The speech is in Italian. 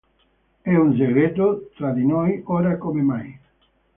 È un segreto tra di noi ora come mai